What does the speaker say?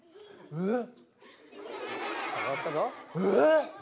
えっ！